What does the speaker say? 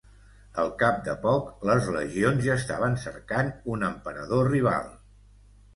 Al cap de poc, les legions ja estaven cercant un emperador rival.